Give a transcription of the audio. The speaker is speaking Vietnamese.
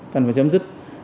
cần phải chấm dứt